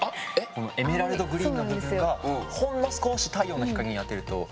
このエメラルドグリーンの部分がほんの少し太陽の光に当てると透けて見えて。